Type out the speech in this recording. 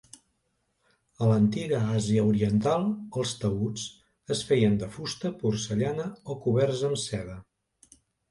A l'antiga Àsia Oriental, els taüts es feien de fusta, porcellana o coberts amb seda.